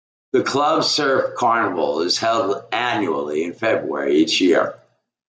The club surf carnival is held annually in February each year.